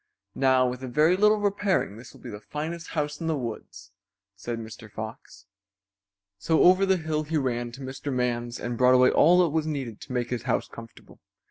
"Now with a very little repairing this will be the finest house in the woods," said Mr. Fox. So over the hill he ran to Mr. Man's and brought away all that was needed to make his house comfortable.